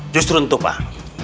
justru untuk pak